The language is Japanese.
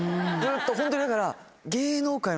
ホントにだから。